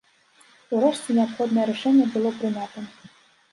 Урэшце неабходнае рашэнне было прынята.